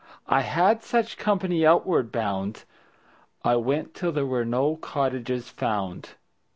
I had such company outward bound. I went till there were no cottages found.